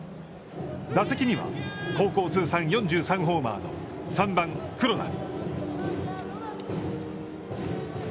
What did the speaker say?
打席には、高校通算４３ホーマーの３番黒田。